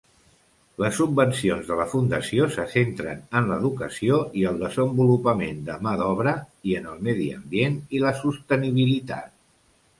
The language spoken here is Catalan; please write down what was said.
Les subvencions de la fundació se centren en l'educació i el desenvolupament de mà d'obra, i en el medi ambient i la sostenibilitat.